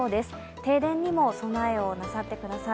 停電にも備えをなさってください。